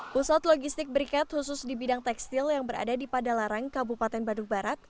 pusat logistik berikat khusus di bidang tekstil yang berada di padalarang kabupaten bandung barat